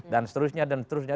dan seterusnya dan seterusnya